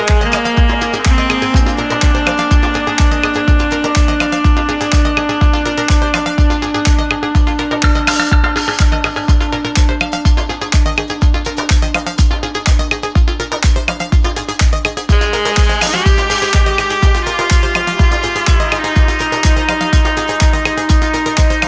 oke ginian saya baik